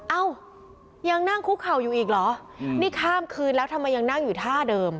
เอ้ายังนั่งคุกเข่าอยู่อีกเหรอนี่ข้ามคืนแล้วทำไมยังนั่งอยู่ท่าเดิม